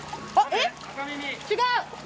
えっ違う？